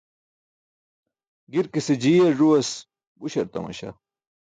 Girkise jiyar ẓuwas buśar tamaśa.